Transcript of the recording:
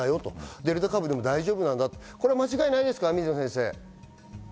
デルタ株でも大丈夫なんだと、これは間違いないですか。